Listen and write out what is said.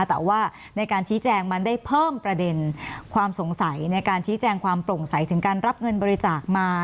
แต่ว่าในการชี้แจงมันได้เพิ่มประเด็นความสงสัยในการชี้แจงความโปร่งใสถึงการรับเงินบริจาคมา